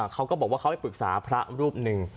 เขาก็บอกว่าเขาไปปรึกษาพระรูปหนึ่ง